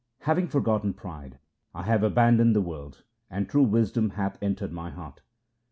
Having forgotten pride, I have abandoned the world, and true wisdom hath entered my heart.